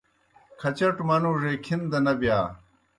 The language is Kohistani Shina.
کھچٹوْ منُوڙے کِھن دہ نہ بِیا۔